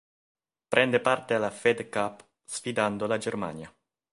Prende parte alla Fed Cup sfidando la Germania.